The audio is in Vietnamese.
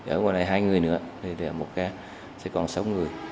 ở ngoài này hai người nữa một ca sẽ còn sáu người